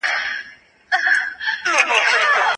پخواني سفیران د غونډو جوړولو قانوني اجازه نه لري.